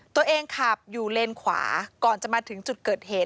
ขับอยู่เลนขวาก่อนจะมาถึงจุดเกิดเหตุ